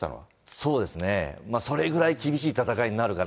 そうですね、それぐらい厳しい戦いになるから。